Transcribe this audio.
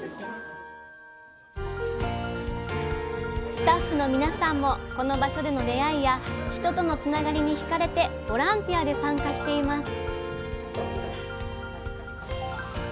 スタッフの皆さんもこの場所での出会いや人とのつながりに引かれてボランティアで参加しています